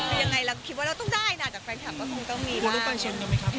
มียังไงแล้วคิดว่าเราต้องได้นะจากแฟนคลับก็คงต้องมีได้